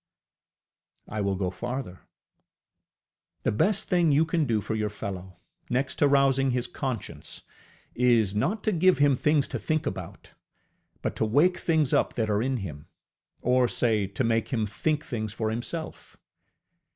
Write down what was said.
I will go farther. The best thing you can do for your fellow, next to rousing his conscience, is not to give him things to think about, but to wake things up that are in him; or say, to make him think things for himself.